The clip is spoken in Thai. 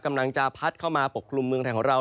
กำลังจะพัดเข้ามาปกคลุมเมืองไทยของเรา